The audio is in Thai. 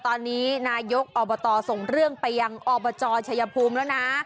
ตอนนี้นายกอบตส่งเรื่องไปยังอบจชัยภูมิแล้วนะ